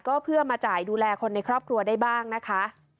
ก็เพื่อมาจ่ายดูแลคนในครอบครัวได้บ้างนะคะ